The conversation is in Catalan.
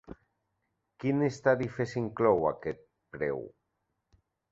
Quines tarifes inclou aquest preu?